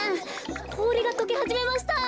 こおりがとけはじめました。